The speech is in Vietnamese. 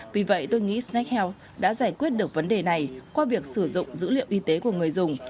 vì vậy tôi nghĩ snack health đã giải quyết được vấn đề này qua việc sử dụng dữ liệu y tế của người dùng